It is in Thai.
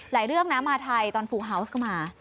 หลายเรื่องนะมาถ่ายตอนฟูเฮ้าส์ก็มา